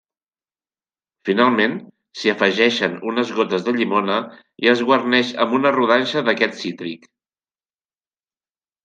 Finalment, s'hi afegeixen unes gotes de llimona i es guarneix amb una rodanxa d'aquest cítric.